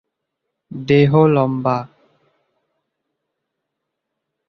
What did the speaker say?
দেহ লম্বা।